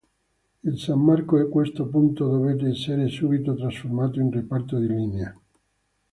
Il San Marco a questo punto dovette essere subito trasformato in reparto di linea.